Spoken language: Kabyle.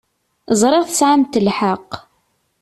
Ẓṛiɣ tesɛamt lḥeq.